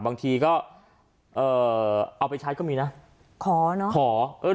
บางทีก็เอาไปใช้ก็มีนะขอเนอะ